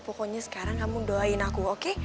pokoknya sekarang kamu doain aku oke